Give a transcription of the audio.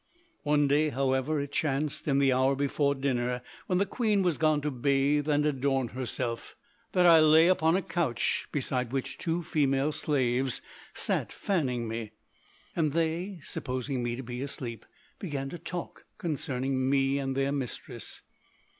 ] "One day, however, it chanced, in the hour before dinner when the queen was gone to bathe and adorn herself, that I lay upon a couch beside which two female slaves sat fanning me; and they, supposing me to be asleep, began to talk concerning me and their mistress.